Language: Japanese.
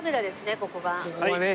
ここが。